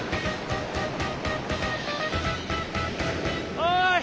おい！